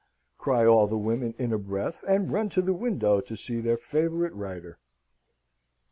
cry all the women in a breath, and run to the window to see their favourite writer.